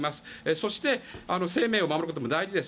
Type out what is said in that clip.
そして、生命を守ることも大事です。